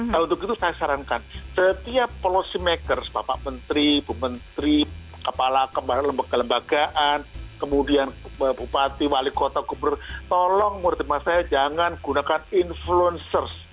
nah untuk itu saya sarankan setiap policy maker bapak menteri ibu menteri kepala kembang lembagaan kemudian bupati wali kota kepala kepala kepala kepala tolong menurut saya jangan gunakan influencer